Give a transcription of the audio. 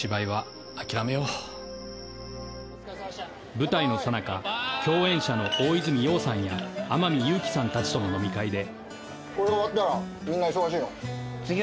舞台のさなか共演者の大泉洋さんや天海祐希さんたちとの飲み会で